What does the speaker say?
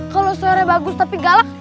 kalau suaranya bagus tapi galak